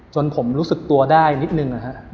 จนผมรู้สึกตัวได้นิดนึง